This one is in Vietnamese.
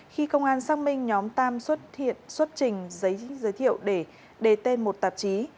khi công an xác minh nhóm tam xuất trình giấy giới thiệu để đề tên một tạp chí